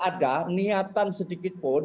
ada niatan sedikit pun